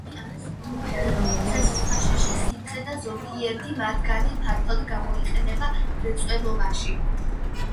სამივე მათგანი არის უფერო, ცეცხლსაშიში სითხე და ზოგიერთი მათგანი ფართოდ გამოიყენება მრეწველობაში.